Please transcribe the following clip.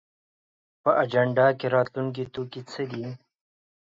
په اجنډا کې راتلونکی توکي څه دي؟